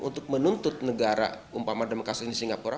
untuk menuntut negara umpama demokrasi di singapura